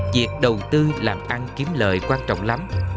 việc đầu tư làm ăn kiếm lời quan trọng lắm